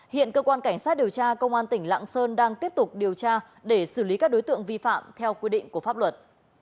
hiện cơ quan cảnh sát điều tra công an tỉnh lạng sơn đang tiếp tục điều tra để xử lý các đối tượng vi phạm theo quy định của pháp luật